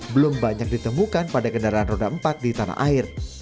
belum banyak ditemukan pada kendaraan roda empat di tanah air